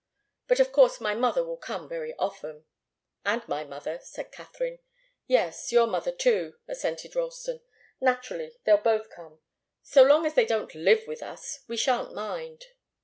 But of course my mother will come very often." "And my mother," said Katharine. "Yes your mother, too," assented Ralston. "Naturally, they'll both come. So long as they don't live with us, we shan't mind."